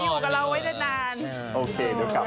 ข้าวนานให้คุณหมออยู่กับเราไว้นาน